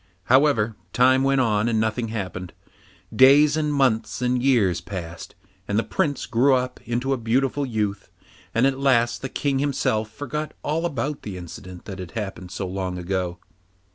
However, time went on and nothing happened. Days and months and years passed, and the Prince grew up into a beautiful youth, and at last the King himself forgot all about the incident that had happened so long ago.